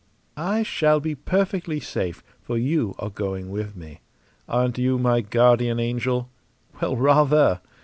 "I shall be perfectly safe, for you are going with me. Aren't you my guardian angel? Well, rather!